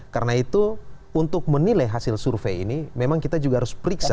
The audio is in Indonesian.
karena itu untuk menilai hasil survei ini memang kita juga harus periksa